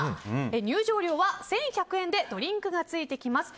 入場料は１１００円でドリンクがついてきます。